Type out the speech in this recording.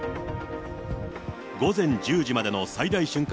午前１０時までの最大瞬間